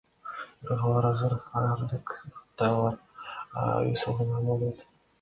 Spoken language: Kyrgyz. Бирок алар азыр агрардык багытта, аларга үй салганга болбойт.